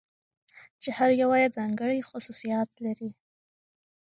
چې هره يوه يې ځانګړى خصوصيات لري .